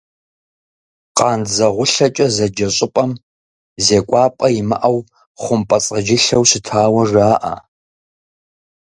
«КъандзэгулъэкӀэ» зэджэ щӀыпӀэм зекӀуапӀэ имыӀэу хъумпӀэцӀэджылъэу щытауэ жаӀэ.